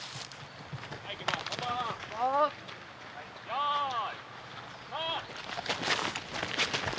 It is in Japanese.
よい。